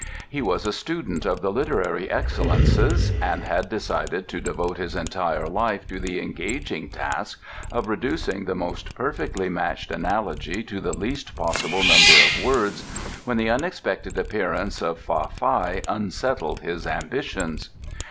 He was a student of the literary excellences and had decided to devote his entire life to the engaging task of reducing the most perfectly matched analogy to the least possible number of words when the unexpected appearance of Fa Fai unsettled his ambitions.